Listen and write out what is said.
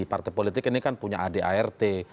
partai politik ini kan punya a d a r t